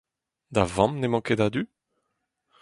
Da vamm n’emañ ket a-du ?